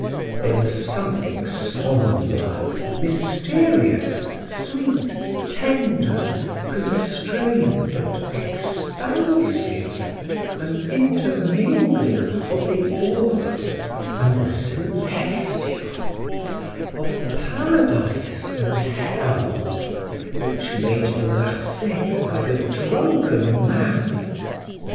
There was something sombre, mysterious, sweet, tender, constrained, and expansive, an intermingling of the awful and the celestial, of paradise and hell, which made De Marsay like a drunken man.